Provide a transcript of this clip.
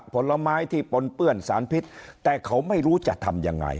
ผลไม้ที่ปนเปื้อนสารพิษแต่เขาไม่รู้จะทำยังไง